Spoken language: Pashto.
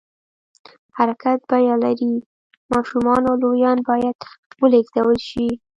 حرکت بیه لري، ماشومان او لویان باید ولېږدول شي.